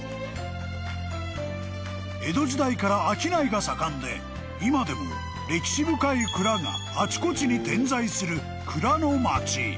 ［江戸時代から商いが盛んで今でも歴史深い蔵があちこちに点在する］